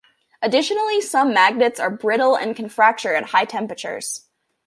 Additionally, some magnets are brittle and can fracture at high temperatures.